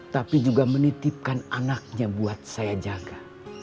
tapi juga menitipkan anaknya buat saya jaga